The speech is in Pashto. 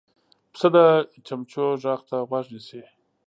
پسه د چمچمو غږ ته غوږ نیسي.